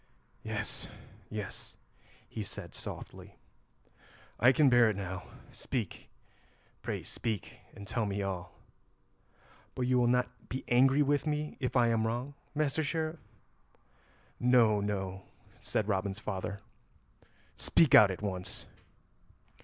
"Yes, yes," he said softly, "I can bear it now. Speak, pray speak, and tell me all." "But you will not be angry with me if I am wrong, Master Sheriff?" "No, no," said Robin's father; "speak out at once."